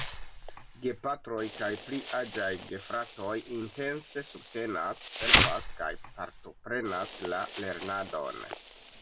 Gepatroj kaj pli aĝaj gefratoj intense subtenas, helpas kaj partoprenas la lernadon.